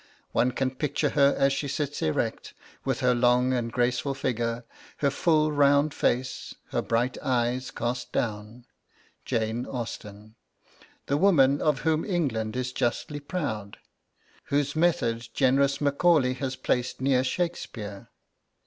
One can picture her as she sits erect, with her long and graceful figure, her full round face, her bright eyes cast down, Jane Austen, 'the woman of whom England is justly proud' whose method generous Macaulay has placed near Shakespeare.